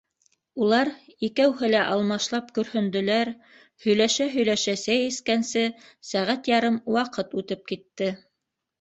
Улар икәүһе лә алмашлап көрһөндөләр, һөйләшә-һөйләшә сәй эскәнсе, сәғәт ярым ваҡыт үтеп китте.